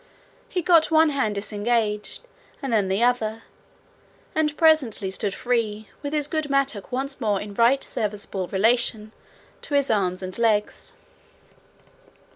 He got one hand disengaged, and then the other; and presently stood free, with his good mattock once more in right serviceable relation to his arms and legs.